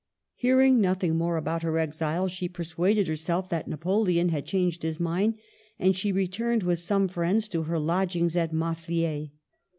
Hearing nothing more about her exile, she persuaded her self that Napoleon had changed his mind, and she returned with some friends to her own lodg ings at Maffliers.